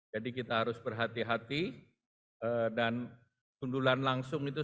jadi kita harus berhati hati dan sundulan langsung itu